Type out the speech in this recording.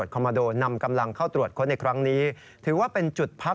ผมดูนำกำลังเข้าตรวจคนคนนี้ถือว่าเป็น